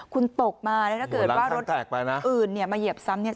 คุณตกมาแล้วถ้าเกิดว่ารถอื่นเนี่ยมาเหยียบซ้ำเนี่ย